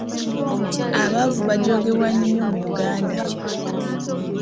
Abaavu bajoogebwa nnyo mu Uganda.